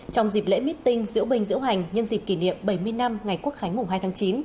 trong dịp lễ meeting diễu binh diễu hành nhân dịp kỷ niệm bảy mươi năm ngày quốc khánh mùng hai tháng chín